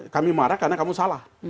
kami marah karena kamu salah